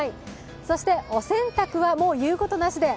そしてお洗濯は言うことなしで。